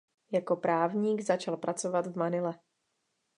Jako právník začal pracovat v Manile.